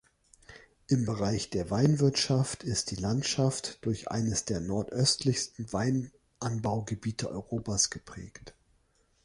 Im Bereich der Weinwirtschaft ist die Landschaft durch eines der nordöstlichsten Weinanbaugebiete Europas geprägt.